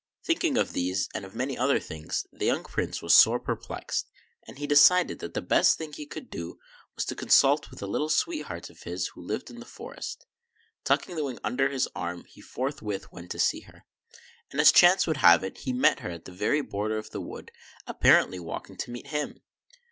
On thinking of these and of many other things, the young Prince was sore perplexed ; and he decided that the best thing he could do was to consult with a little sweetheart of his who lived in the forest. Tucking the wing under his arm, he forth with went to see her ; and, as chance would have it, he met her at the very border of the wood, apparently walking to meet him.